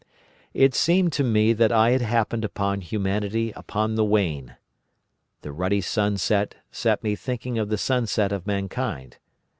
"It seemed to me that I had happened upon humanity upon the wane. The ruddy sunset set me thinking of the sunset of mankind.